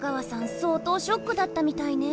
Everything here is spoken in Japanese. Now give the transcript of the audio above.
そう当ショックだったみたいね。